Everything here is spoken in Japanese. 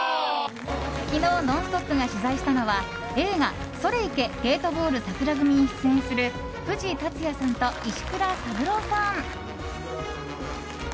昨日、「ノンストップ！」が取材したのは映画「それいけ！ゲートボールさくら組」に出演する藤竜也さんと石倉三郎さん。